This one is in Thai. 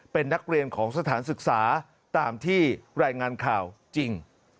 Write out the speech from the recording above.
เป็นนักเรียนของสถานศึกษาตามที่รายงานข่าวจริง